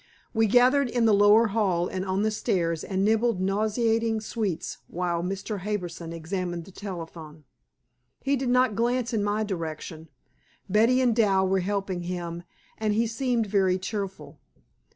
We gathered in the lower hall and on the stairs and nibbled nauseating sweets while Mr. Harbison examined the telephone. He did not glance in my direction. Betty and Dal were helping him, and he seemed very cheerful.